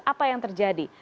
apa yang terjadi